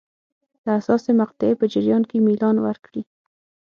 د حساسې مقطعې په جریان کې میلان وکړي.